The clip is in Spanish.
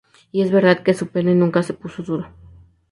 Y es verdad que su pene nunca se puso duro.